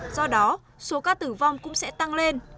do đó số ca tử vong cũng sẽ tăng lên